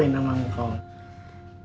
dan perlu lagi